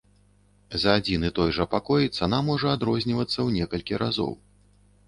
За адзін і той жа пакой цана можа адрознівацца ў некалькі разоў.